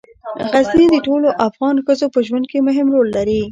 غزني د ټولو افغان ښځو په ژوند کې مهم رول لري.